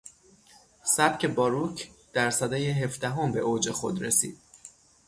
سبک باروک در سدهی هفدهم به اوج خود رسید.